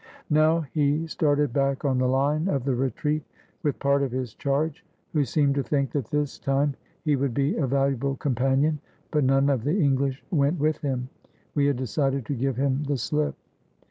Now he started back on the line of the retreat with part of his charge, who seemed to think that this time 446 THE FLIGHT FROM LULE BURGAS he would be a valuable companion; but none of the Eng Hsh went with him. We had decided to give him the slip.